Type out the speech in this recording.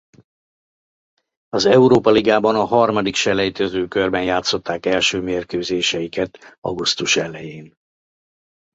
Az Európa-ligában a harmadik selejtezőkörben játszották első mérkőzéseiket augusztus elején.